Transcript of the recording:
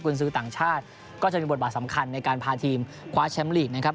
คุณซื้อต่างชาติก็จะมีบทบาทสำคัญในการพาทีมคว้าแชมป์ลีกนะครับ